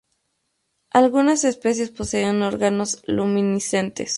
Algunas especies poseen órganos luminiscentes.